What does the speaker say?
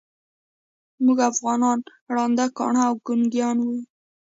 موږ افغانان ړانده، کاڼه او ګونګیان یوو.